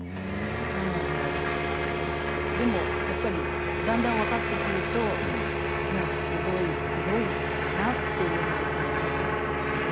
なので、でも、やっぱりだんだん分かってくるとすごいなというのがいつも思っているんですけど。